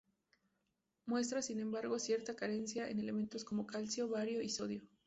Muestra, sin embargo, cierta carencia en elementos como calcio, bario y sodio.